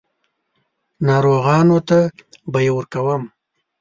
ناروغانو ته به یې ورکوم.